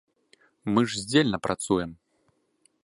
Мы ж здзельна працуем.